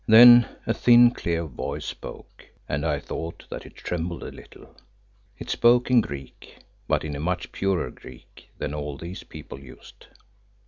Then a thin, clear voice spoke, and I thought that it trembled a little. It spoke in Greek, but in a much purer Greek than all these people used.